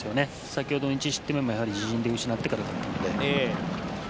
先ほどの１失点目も自陣で失ってからだったので。